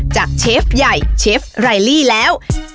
เชฟใหญ่เชฟไรลี่แล้ว